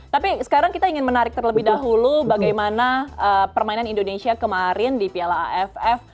tapi sekarang kita ingin menarik terlebih dahulu bagaimana permainan indonesia kemarin di piala aff